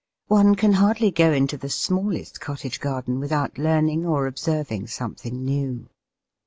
One can hardly go into the smallest cottage garden without learning or observing something new.